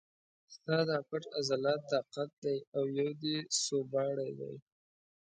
ستا دا پټ عضلات طاق دي او یو دې سوباړی دی.